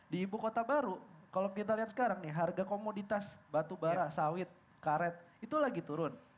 di ibu kota baru kalau kita lihat sekarang nih harga komoditas batubara sawit karet itu lagi turun